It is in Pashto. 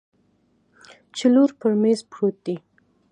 چې لوړ پر میز پروت دی